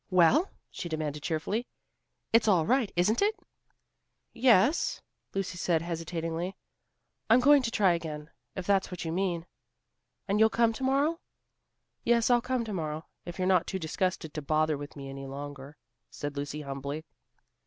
"Well?" she demanded cheerfully. "It's all right, isn't it?" "Yes," Lucy agreed hesitatingly. "I'm going to try again, if that's what you mean." "And you'll come to morrow?" "Yes, I'll come to morrow, if you're not too disgusted to bother with me any longer," said Lucy humbly.